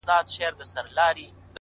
په گيلاس او په ساغر دي اموخته کړم’